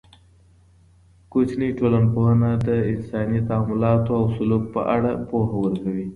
کوچنۍ ټولنپوهنه د انساني تعاملاتو او سلوک په اړه پوهه ورکوي.